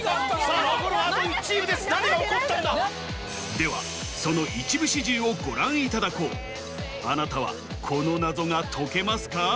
ではその一部始終をご覧いただこうあなたはこの謎が解けますか？